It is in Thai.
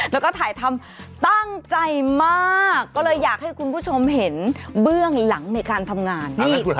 แล้วก็ถ่ายทำตั้งใจมากก็เลยอยากให้คุณผู้ชมเห็นเบื้องหลังในการทำงาน